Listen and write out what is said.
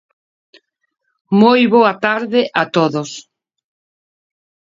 Moi boa tarde a todos.